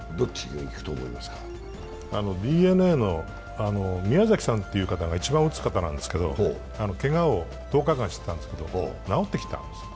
ＤｅＮＡの宮崎さんが一番打つ方なんですがけがを１０日間してたんですけど治ってきたんです。